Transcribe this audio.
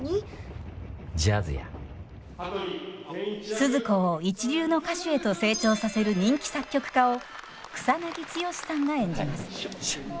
スズ子を一流の歌手へと成長させる人気作曲家を草剛さんが演じます。